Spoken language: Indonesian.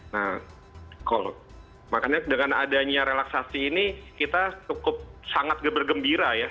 nah makanya dengan adanya relaksasi ini kita cukup sangat geber gembira ya